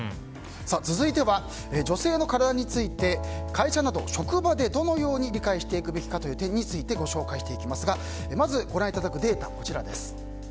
続いては、女性の体について会社など職場でどのように理解していくべきかという点をご紹介しますがまず、ご覧いただくデータこちらです。